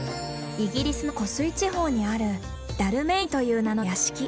イギリスの湖水地方にあるダルメインという名の屋敷。